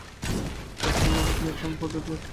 রাগ সামলাবার কী একটা পদ্ধতি যেন পড়েছিলেন বইয়ে।